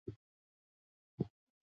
دا دود هم و چې د محکوم د بدن غړي غوڅ کړي.